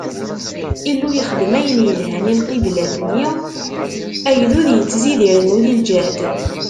Illu yexdem ayen yelhan i lqiblat-nni, agdud ittzid irennu di lǧehd.